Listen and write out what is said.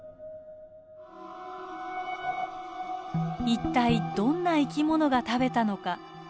一体どんな生きものが食べたのか？